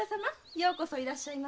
ようこそいらっしゃいませ。